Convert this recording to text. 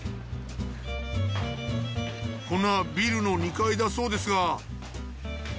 こんなビルの２階だそうですが。